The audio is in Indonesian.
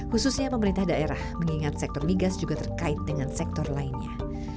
khususnya pemerintah daerah mengingat sektor migas juga terkait dengan sektor lainnya